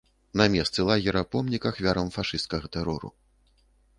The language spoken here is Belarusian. На месцы лагера помнік ахвярам фашысцкага тэрору.